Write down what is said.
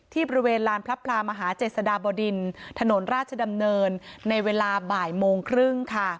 บริเวณลานพระพลามหาเจษฎาบดินถนนราชดำเนินในเวลาบ่ายโมงครึ่งค่ะ